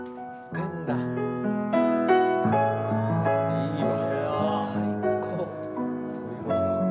いいわ。